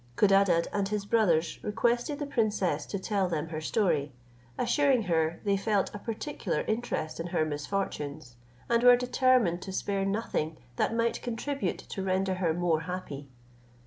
Codadad and his brothers requested the princess to tell them her story, assuring her they felt a particular interest in her misfortunes, and were determined to spare nothing that might contribute to render her more happy.